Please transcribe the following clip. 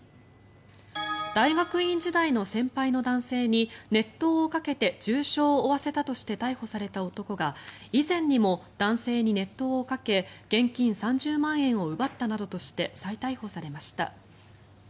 大学院時代の先輩の男性に熱湯をかけて重傷を負わせたとして逮捕された男が以前にも男性に熱湯をかけ現金３０万円を奪ったなどとして再逮捕されました。